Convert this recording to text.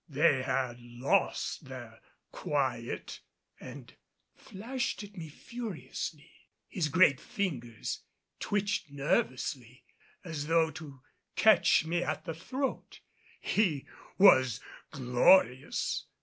They had lost their quiet and flashed at me furiously. His great fingers twitched nervously as though to catch me at the throat. He was glorious.